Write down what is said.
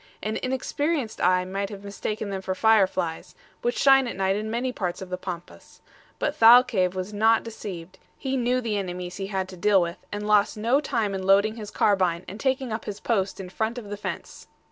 An inexperienced eye might have mistaken them for fireflies, which shine at night in many parts of the Pampas; but Thalcave was not deceived; he knew the enemies he had to deal with, and lost no time in loading his carbine and taking up his post in front of the fence.